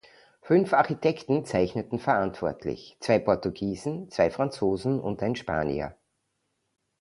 Fünf Architekten zeichneten verantwortlich zwei Portugiesen, zwei Franzosen und ein Spanier.